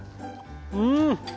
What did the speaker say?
うん！